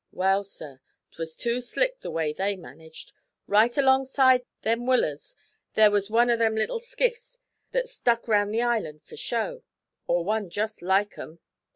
Well, sir, 'twas too slick the way they managed. Right alongside them willers there was one o' them little skiffs that's stuck round the island for show, or one jest like 'em.